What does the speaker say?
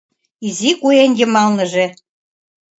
Изи куэн йымалныже